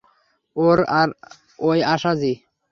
ওয় আশা জী।